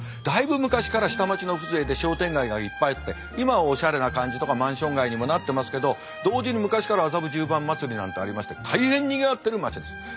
だいぶ昔から下町の風情で商店街がいっぱいあって今はおしゃれな感じとかマンション街にもなってますけど同時に昔から麻布十番祭りなんてありまして大変にぎわってるまちです。